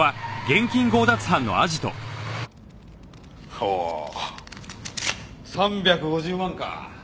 ほう３５０万か。